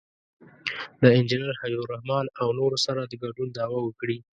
د انجینر حبیب الرحمن او نورو سره د ګډون دعوه وکړي.